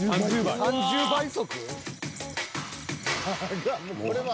［３０倍速？］